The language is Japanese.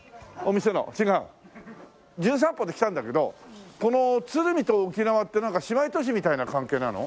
『じゅん散歩』で来たんだけどこの鶴見と沖縄ってなんか姉妹都市みたいな関係なの？